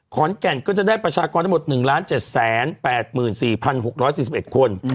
ขอนแก่นก็จะได้ประชากรทั้งหมด๑๗๘๔๖๔๑คน